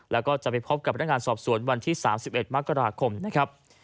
แล้วก็จะไปพบกับพนักงานสอบสวนวันที่๓๑มกราคมนะครับ